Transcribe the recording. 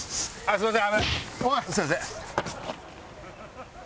すみません。